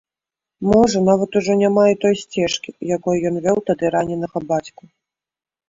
Можа, нават ужо няма і той сцежкі, якой ён вёў тады раненага бацьку.